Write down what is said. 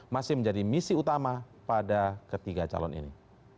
masih menjadi misi utama pada ketiga calon ini